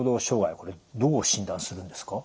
これどう診断するんですか？